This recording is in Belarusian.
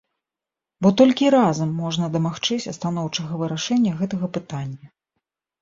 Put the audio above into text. Бо толькі разам можна дамагчыся станоўчага вырашэння гэтага пытання.